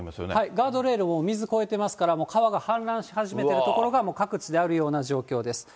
ガードレール、水越えてますから、水が氾濫しているような所がもう各地であるような状況です。